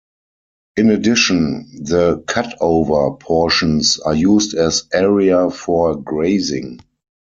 In addition, the cutover portions are used as area for grazing.